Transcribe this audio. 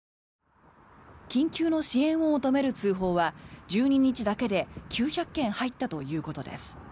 緊急の支援を求める通報は１２日だけで９００件入ったということです。